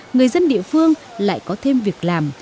người dân địa phương lại có thêm việc làm